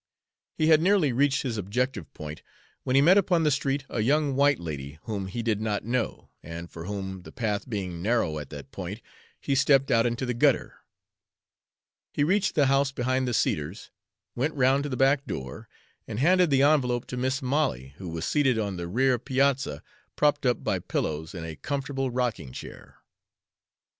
He had nearly reached his objective point when he met upon the street a young white lady, whom he did not know, and for whom, the path being narrow at that point, he stepped out into the gutter. He reached the house behind the cedars, went round to the back door, and handed the envelope to Mis' Molly, who was seated on the rear piazza, propped up by pillows in a comfortable rocking chair.